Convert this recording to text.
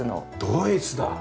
ドイツだ！